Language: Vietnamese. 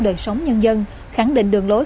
đời sống nhân dân khẳng định đường lối